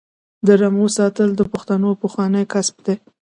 د رمو ساتل د پښتنو پخوانی کسب دی.